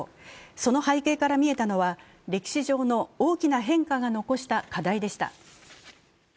その背景から見えたのは歴史上の大きな変化が残した課題でした。